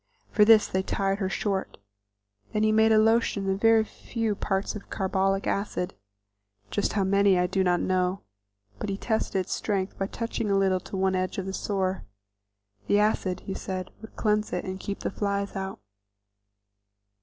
For this they tied her short; then he made a lotion and a very few parts carbolic acid, just how many I do not know, but he tested its strength by touching a little to one edge of the sore. The acid, he said, would cleanse it and keep the flies out.